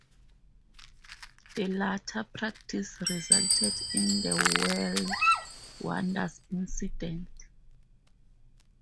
The latter practice resulted in the world wonders incident.